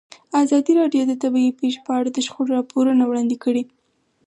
ازادي راډیو د طبیعي پېښې په اړه د شخړو راپورونه وړاندې کړي.